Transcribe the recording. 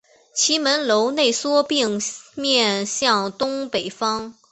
其门楼内缩并面向东北方。